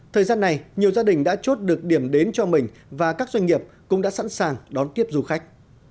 thời gian này nhiều gia đình đã chốt được điểm đến cho mình và các doanh nghiệp cũng đã sẵn sàng đón tiếp du khách